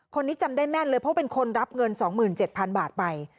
คนนี้จำได้แม่นเลยเพราะเป็นคนรับเงิน๒๗๐๐๐บาทไป